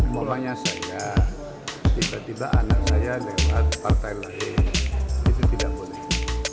mau tanya saya tiba tiba anak saya lewat partai lain itu tidak boleh